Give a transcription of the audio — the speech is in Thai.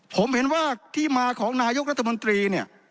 ผมเห็นว่าที่มาของนายุครัฐมนตรี